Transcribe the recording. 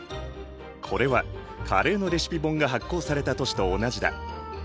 これはカレーのレシピ本が発行された年と同じだ。